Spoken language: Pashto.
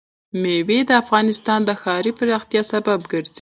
مېوې د افغانستان د ښاري پراختیا سبب کېږي.